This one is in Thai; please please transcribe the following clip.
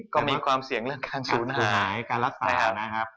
ก็มีความเสี่ยงเรื่องการศูนย์หายการรักษานะครับ